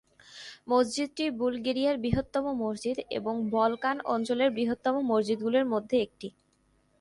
মসজিদটি বুলগেরিয়ার বৃহত্তম মসজিদ এবং বলকান অঞ্চলের বৃহত্তম মসজিদগুলির মধ্যে একটি।